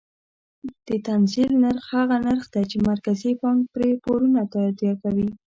د تنزیل نرخ هغه نرخ دی چې مرکزي بانک پرې پورونه تادیه کوي.